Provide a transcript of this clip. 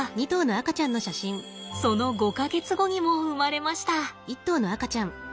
その５か月後にも生まれました。